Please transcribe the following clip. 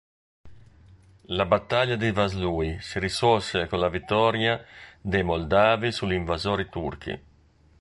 La Battaglia di Vaslui si risolse con la vittoria dei moldavi sugli invasori turchi.